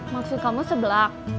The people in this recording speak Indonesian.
maksud kamu sebelah